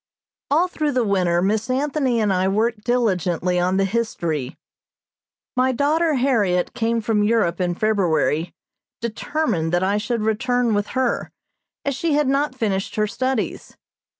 All through the winter Miss Anthony and I worked diligently on the History. My daughter Harriot came from Europe in February, determined that I should return with her, as she had not finished her studies.